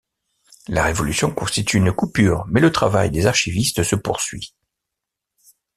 La Révolution constitue une coupure mais le travail des archivistes se poursuit.